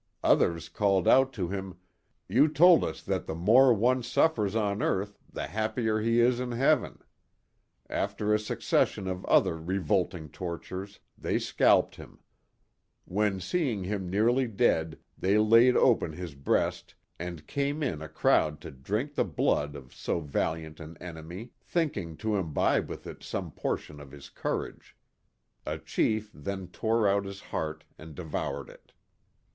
Others called out to him, *' you told us that the mure one suffers on earth, the happier he is in heaven." After a succession of other revolting tortures, they scalped him ; when, seeing him nearly dead, they laid open his breast and came in a crowd to drink the blood of so valiant an enemy, thinking to imbibe with it some portion of his courage. A chief then tore out his heart and devoured it.